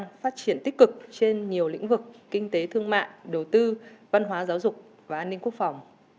và phát triển tích cực trên nhiều lĩnh vực kinh tế thương mại đầu tư văn hóa giáo dục và an ninh quốc phòng